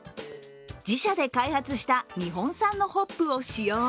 自社で開発した日本産のホップを使用。